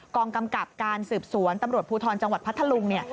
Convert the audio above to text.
กองกำกับการสืบสวนตำรวจภูทรจังหวัดพัทธลุงเนี่ย